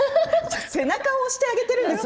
背中を押してあげるんですね。